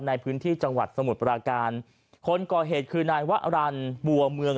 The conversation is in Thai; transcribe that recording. ในพื้นที่จังหวัดสมุทรปราการคนก่อเหตุคือนายวะรันบัวเมือง